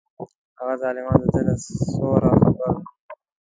هغه ظالم د ده له سوره خبر نه و.